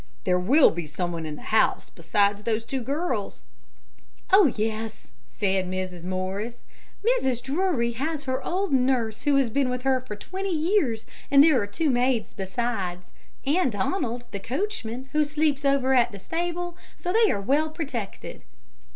"There will be some one in the house besides those two girls?" "Oh, yes," said Mrs. Morris; "Mrs. Drury has her old nurse, who has been with her for twenty years, and there are two maids besides, and Donald, the coachman, who sleeps over the stable. So they are well protected."